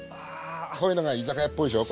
こういうのが居酒屋っぽいでしょう？